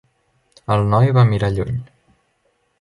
El noi va mirar lluny.